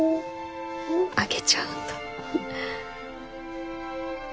あげちゃうんだ。